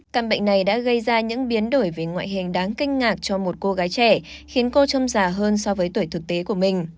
căn bệnh này đã gây ra những biến đổi về ngoại hình đáng kinh ngạc cho một cô gái trẻ khiến cô châm già hơn so với tuổi thực tế của mình